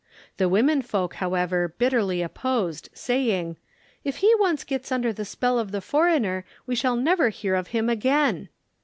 The women folk, however, bitterly opposed saying, "If he once gets under the spell of the foreigner we shall never hear of him again."